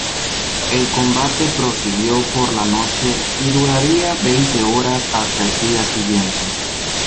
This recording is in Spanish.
El combate prosiguió por la noche, y duraría veinte horas hasta el día siguiente.